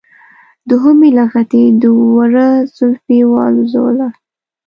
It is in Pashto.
دوهمې لغتې د وره زولفی والوزوله.